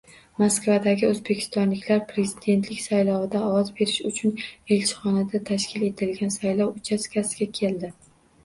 Moskvadagi o‘zbekistonliklar prezidentlik saylovida ovoz berish uchun elchixonada tashkil etilgan saylov uchastkasiga keldi